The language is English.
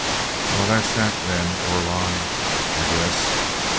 "Well, that's that, then, Orlon, I guess.